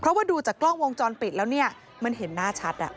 เพราะว่าดูจากกล้องวงจรปิดแล้วเนี่ยมันเห็นหน้าชัด